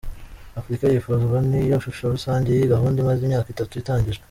Afurika yifuzwa ni yo shusho rusange y’iyi gahunda imaze imyaka itatu itangijwe.